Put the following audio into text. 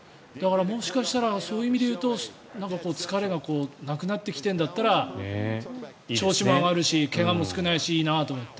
もしかしたらそういう意味でいうと疲れがなくなってきてるんだたら調子も上がるし怪我も少ないしいいなと思って。